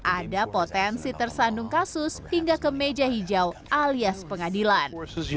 ada potensi tersandung kasus hingga ke meja hijau alias pengadilan